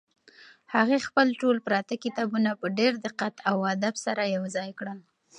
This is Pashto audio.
هغې خپل ټول پراته کتابونه په ډېر دقت او ادب سره یو ځای کړل.